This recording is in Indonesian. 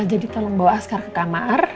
jadi tolong bawa askar ke kamar